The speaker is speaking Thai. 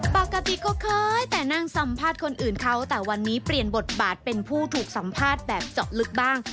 ปกติก็เคยแต่นั่งสัมภาษณ์คนอื่นเขาแต่วันนี้เปลี่ยนบทบาทเป็นผู้ถูกสัมภาษณ์แบบเจาะลึกบ้าง